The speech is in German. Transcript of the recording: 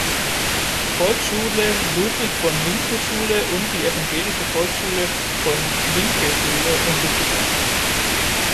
Volksschule Ludwig von Vincke-Schule und die Evangelische Volksschule von-Vincke-Schule untergebracht.